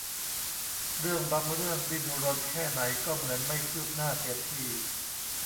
เรื่องบางเรื่องดิ้นรนแค่ไหนก็เหมือนไม่คืบหน้าเสียที